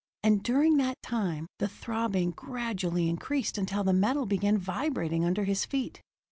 And during that time, the throbbing gradually increased until the metal began vibrating under his feet.